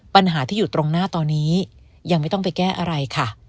ปัญหาที่อยู่ตรงหน้าตอนนี้ยังไม่ต้องไปแก้อะไรค่ะ